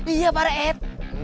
iya para ad